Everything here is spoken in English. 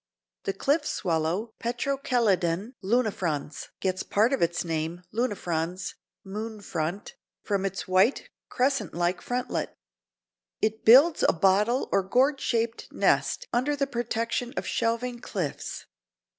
The cliff swallow, petrochelidon lunifrons—gets part of its name—lunifrons (moon front)—from its white, crescent like frontlet. It builds a bottle or gourd shaped nest under the protection of shelving cliffs.